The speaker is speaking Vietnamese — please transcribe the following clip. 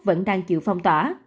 vẫn đang chịu phong tỏa